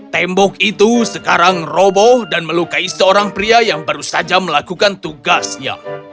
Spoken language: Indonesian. tembok itu sekarang roboh dan melukai seorang pria yang baru saja melakukan tugasnya